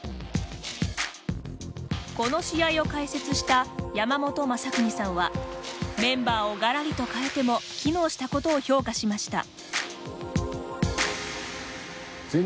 この試合を解説した山本昌邦さんはメンバーをがらりと変えても機能したことを評価しました。